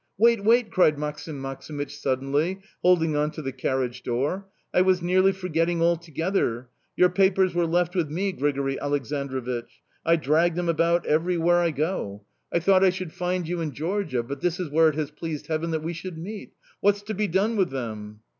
"Wait, wait!" cried Maksim Maksimych suddenly, holding on to the carriage door. "I was nearly forgetting altogether. Your papers were left with me, Grigori Aleksandrovich... I drag them about everywhere I go... I thought I should find you in Georgia, but this is where it has pleased Heaven that we should meet. What's to be done with them?"...